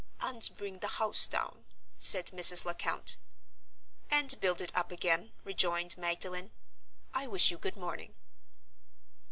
"And bring the house down," said Mrs. Lecount. "And build it up again," rejoined Magdalen. "I wish you good morning."